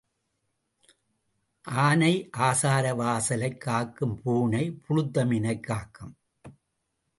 ஆனை ஆசார வாசலைக் காக்கும் பூனை புழுத்த மீனைக் காக்கும்.